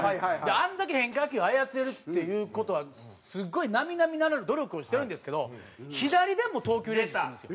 あれだけ変化球を操れるっていう事はすごい並々ならぬ努力をしてるんですけど左でも投球練習するんですよ。